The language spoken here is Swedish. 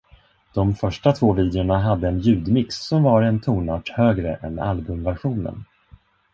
De första två videorna hade en ljudmix som var en tonart högre än albumversionen.